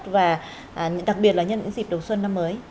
và đặc biệt là nhân những dịp đầu xuân năm mới